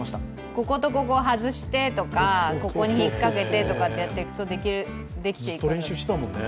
こことここを外してとかここを引っかけてとかやってくとできていくんですよね。